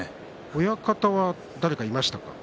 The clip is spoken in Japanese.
親方は誰かいました？